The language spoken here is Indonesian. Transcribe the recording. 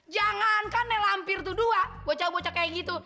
jangankan nelampir tuh dua bocah bocah kayak gitu